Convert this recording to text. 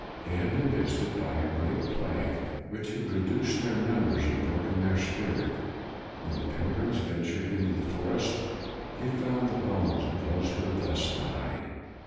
They had been visited by a great plague which had reduced their numbers and broken their spirit. When the pilgrims ventured into the forest, they found the bones of those who had thus died.